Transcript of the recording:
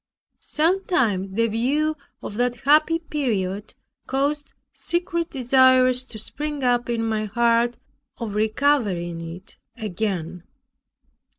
Sometimes the view of that happy period caused secret desires to spring up in my heart, of recovering it again.